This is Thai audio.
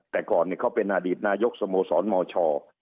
แต่ก่อนเขาเป็นอดีตนายกสโมสรมช